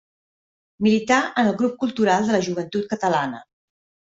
Milità en el Grup Cultural de la Joventut Catalana.